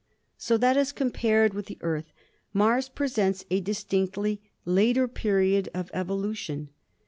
So that, as compared with the Earth, Mars presents a distinctly later period of evolu tion.